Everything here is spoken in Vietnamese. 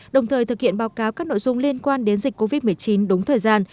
đồng thời thực hiện báo cáo các nội dung liên quan đến dịch covid một mươi chín đúng thời gian